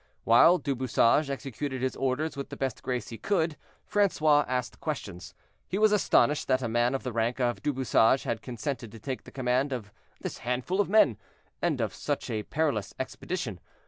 While Du Bouchage executed his orders with the best grace he could, Francois asked questions. He was astonished that a man of the rank of Du Bouchage had consented to take the command of this handful of men, and of such a perilous expedition.